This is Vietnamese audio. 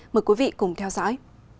mời quý vị cùng theo dõi